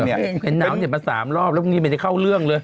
เห็นหนาวเน็บมา๓รอบแล้วปุ่นนี้ไม่ได้เข้าเรื่องเลย